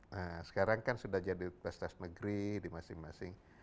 nah sekarang kan sudah jadi universitas negeri di masing masing